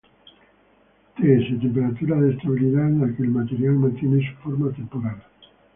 Ts: temperatura de estabilidad, en la que el material mantiene su forma temporal.